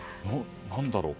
何だろう。